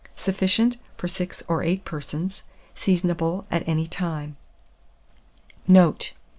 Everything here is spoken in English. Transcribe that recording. Sufficient for 6 or 8 persons. Seasonable at any time. Note.